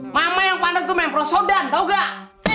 mama yang pantes tuh main prosodan tau gak